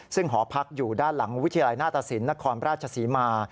ซึ่งหอพักอยู่ด้านหลังวิทยาลัยหน้าตสินนครราชศรีมา